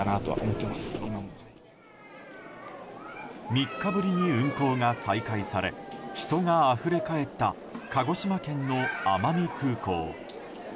３日ぶりに運航が再開され人があふれ返った鹿児島県の奄美空港。